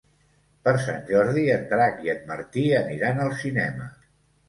Per Sant Jordi en Drac i en Martí aniran al cinema.